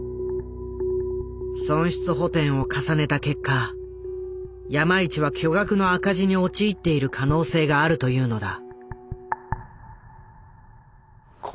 損失補てんを重ねた結果山一は巨額の赤字に陥っている可能性があるというのだ。